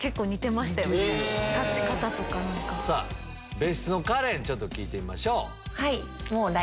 別室のカレン聞いてみましょう。